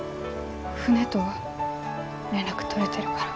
船とは連絡取れてるから。